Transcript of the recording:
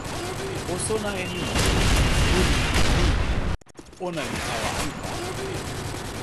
o sona e ni: mun li tan ni: ona li tawa anpa.